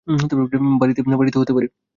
বাড়িতে হতে পারে।